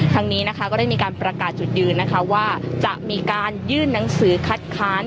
ทางนี้นะคะก็ได้มีการประกาศจุดยืนนะคะว่าจะมีการยื่นหนังสือคัดค้าน